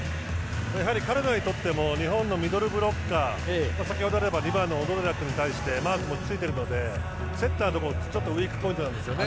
やはりカナダにとっても日本のミドルブロッカー先ほどでいえば小野寺君に対してマークもついているのでセッターのところがウィークポイントなんですね。